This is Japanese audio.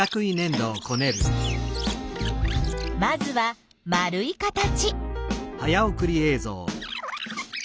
まずは丸い形。